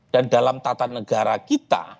dan dalam tata negara kita